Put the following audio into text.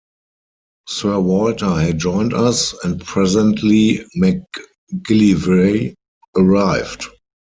Sir Walter had joined us, and presently MacGillivray arrived.